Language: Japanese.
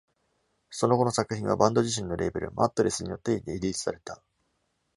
その後の作品はバンド自身のレーベル Mattress によってリリースされた。